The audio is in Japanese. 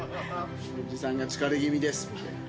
おじさんが疲れ気味ですって。